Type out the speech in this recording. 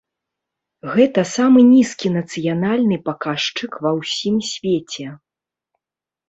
Гэта самы нізкі нацыянальны паказчык ва ўсім свеце.